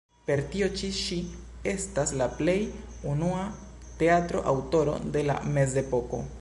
Per tio ĉi ŝi estas la plej unua teatro-aŭtoro de la Mezepoko.